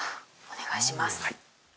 お願いします。